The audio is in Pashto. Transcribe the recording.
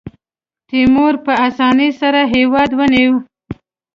تیمور په اسانۍ سره هېواد ونیو.